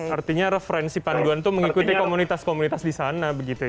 artinya referensi panduan itu mengikuti komunitas komunitas di sana begitu ya